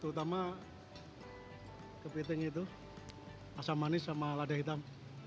terutama kepiting itu asam manis sama lada hitam